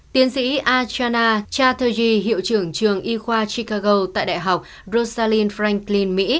tiến sĩ archana chatterjee hiệu trưởng trường y khoa chicago tại đại học rosalind franklin mỹ